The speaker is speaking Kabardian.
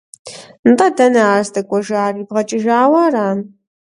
НтӀэ, дэнэ ар здэкӀуэжар, ибгъэкӀыжауэ ара?